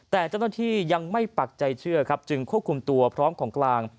แต่เจ้าหน้าที่ยังไม่ปักใจเชื่อครับจึงควบคุมตัวพร้อมของกลาง